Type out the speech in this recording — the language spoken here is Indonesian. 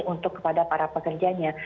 untuk kepada para pekerjanya